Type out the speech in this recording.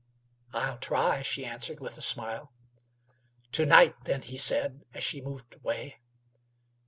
"I'll try," she answered, with a smile. "To night, then," he said, as she moved away.